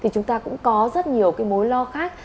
chúng ta cũng có rất nhiều mối lo khác